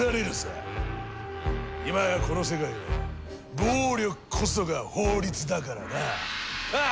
今やこの世界は暴力こそが法律だからな。